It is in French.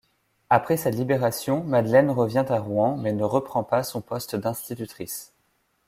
Après sa Libération, Madeleine revient à Rouen mais ne reprend pas son poste d'institutrice.